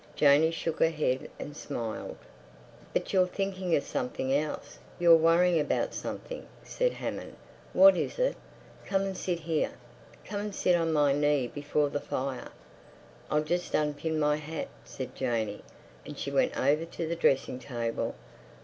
Janey shook her head and smiled. "But you're thinking of something else. You're worrying about something," said Hammond. "What is it? Come and sit here—come and sit on my knee before the fire." "I'll just unpin my hat," said Janey, and she went over to the dressing table.